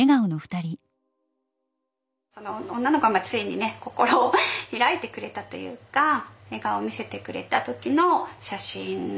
その女の子がついにね心を開いてくれたというか笑顔を見せてくれた時の写真なんです。